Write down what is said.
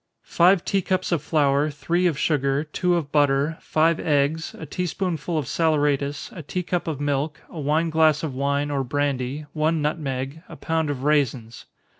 _ Five tea cups of flour, three of sugar, two of butter, five eggs, a tea spoonful of saleratus, a tea cup of milk, a wine glass of wine, or brandy, one nutmeg, a pound of raisins.